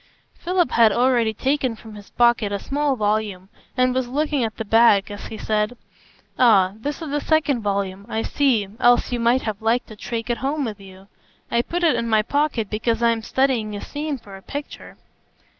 Philip had already taken from his pocket a small volume, and was looking at the back as he said: "Ah, this is the second volume, I see, else you might have liked to take it home with you. I put it in my pocket because I am studying a scene for a picture."